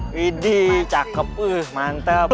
wih deh cakep mantap